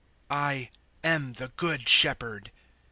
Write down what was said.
010:011 "I am the Good Shepherd.